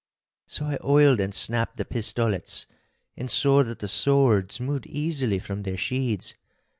So I oiled and snapped the pistolets, and saw that the swords moved easily from their sheaths.